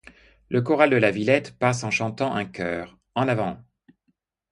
Le choral de la Villette passe en chantant un choeur: En avant!